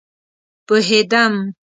پوهيدم